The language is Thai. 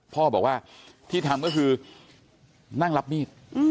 พ่อบอกว่าที่ทำก็คือนั่งรับมีด